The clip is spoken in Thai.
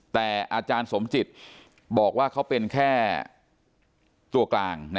แต่อาจารย์สมจิตบอกว่าเขาเป็นแค่ตัวกลาง